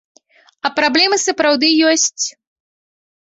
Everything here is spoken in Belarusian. А праблемы сапраўды ёсць.